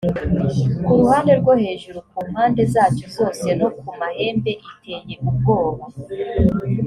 ku ruhande rwo hejuru ku mpande zacyo zose no ku mahembe iteye ubwoba